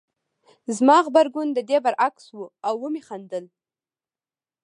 زما غبرګون د دې برعکس و او ومې خندل